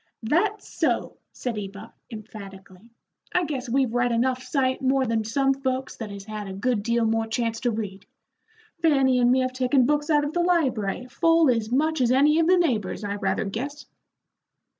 "That's so," said Eva, emphatically. "I guess we've read enough sight more than some folks that has had a good deal more chance to read. Fanny and me have taken books out of the library full as much as any of the neighbors, I rather guess."